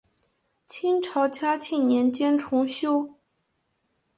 清朝嘉庆年间重修。